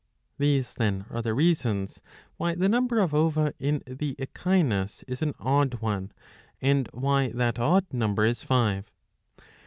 These then are the reasons why the number of ova in the Echinus is an odd one, and why that odd number is five.